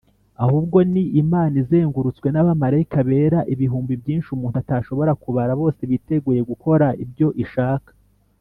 ahubwo ni imana izengurutswe n’abamarayika bera ibihumbi byinshi umuntu atashobora kubara, bose biteguye gukora ibyo ishaka